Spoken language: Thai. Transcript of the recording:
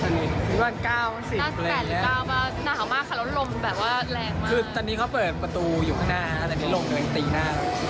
ถึงร้อนค่ะเพราะว่ามือเย็นมาก